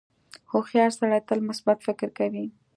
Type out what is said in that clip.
• هوښیار سړی تل مثبت فکر کوي.